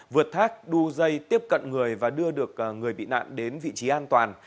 vượt thác đu dây tiếp cận người và đưa được người bị nạn đến vị trí an toàn